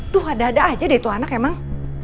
tuh ada ada aja deh itu anak emang